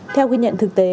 theo quy nhận thực tế